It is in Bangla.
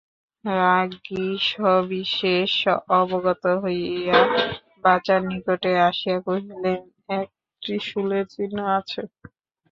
রাজ্ঞী সবিশেষ অবগত হইয়া রাজার নিকটে আসিয়া কহিলেন, এক ত্রিশূলের চিহ্ন আছে।